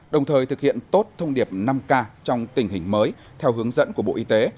đồng thời thực hiện tốt thông điệp năm k trong tình hình mới theo hướng dẫn của bộ y tế